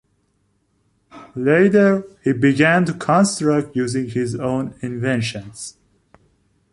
Later, he began to construct using his own inventions.